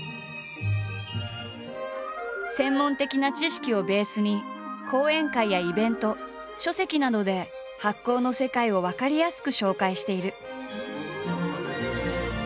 専門的な知識をベースに講演会やイベント書籍などで発酵の世界を分かりやすく紹介している。